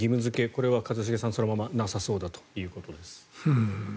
これは一茂さん、そのままなさそうだということです。